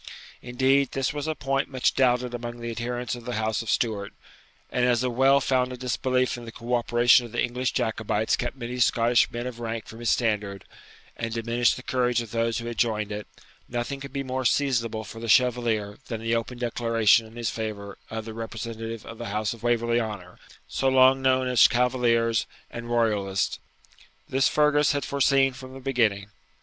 ] Indeed, this was a point much doubted among the adherents of the house of Stuart; and as a well founded disbelief in the cooperation of the English Jacobites kept many Scottish men of rank from his standard, and diminished the courage of those who had joined it, nothing could be more seasonable for the Chevalier than the open declaration in his favour of the representative of the house of Waverley Honour, so long known as Cavaliers and Royalists. This Fergus had foreseen from the beginning.